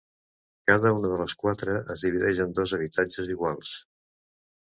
Cada una de les quatre es divideix en dos habitatges iguals.